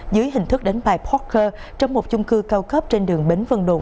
dưới hình thức đánh bạc parker trong một chung cư cao cấp trên đường bến vân đồn